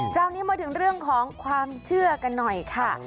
คราวนี้มาถึงเรื่องของความเชื่อกันหน่อยค่ะ